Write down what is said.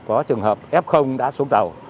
có trường hợp f đã xuống tàu